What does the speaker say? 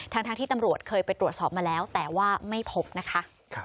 ทั้งที่ตำรวจเคยไปตรวจสอบมาแล้วแต่ว่าไม่พบนะคะ